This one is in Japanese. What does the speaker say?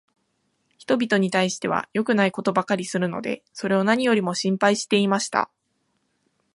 人びとに対しては良くないことばかりするので、それを何よりも心配していました。